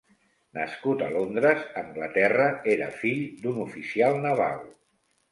Nascut a Londres, Anglaterra, era fill d'un oficial naval.